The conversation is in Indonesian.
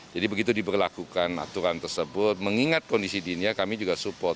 jadi begitu diberlakukan aturan tersebut mengingat kondisi di india kami juga support